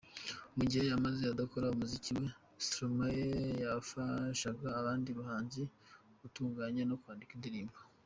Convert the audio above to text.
Mu gihe yamaze adakora umuziki we, Stromae yafashaga abandi bahanzi gutunganya no kwandika indirimbo.